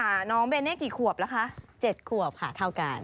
ค่ะน้องเบเน่กี่ควบละคะเจ็ดควบค่ะเท่ากัน